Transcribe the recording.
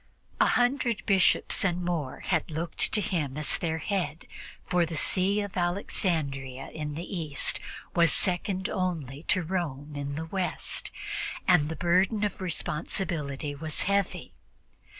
A hundred Bishops and more had looked to him as their head, for the See of Alexandria in the East was second only to that of Rome in the West, and the burden of responsibility was heavy.